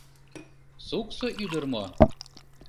Суксо ӱдыр мо?